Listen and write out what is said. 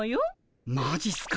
マジっすか？